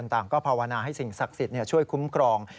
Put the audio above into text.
ต่างก็ภาวนาให้สิ่งศักดิ์สิทธิ์ช่วยคุ้มครอง